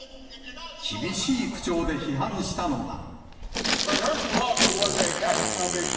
厳しい口調で批判したのが。